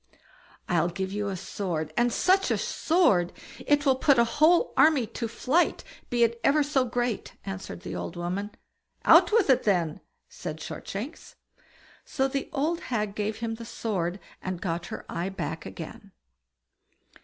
"I'll give you a sword, and such a sword! It will put a whole army to flight, be it ever so great", answered the old woman. "Out with it, then!" said Shortshanks. So the old hag gave him the sword, and got her eye back again.